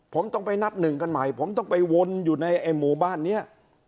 ผมต้องไปนับหนึ่งกันใหม่ผมต้องไปวนอยู่ในไอ้หมู่บ้านนี้